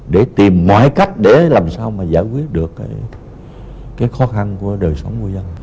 để tìm mọi cách để làm sao mà giải quyết được cái khó khăn của đời sống của dân